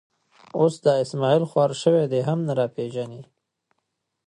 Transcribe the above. اوس دا اسمعیل خوار شوی، دی هم نه را پېژني.